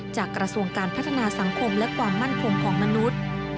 กระทรวงการพัฒนาสังคมและความมั่นคงของมนุษย์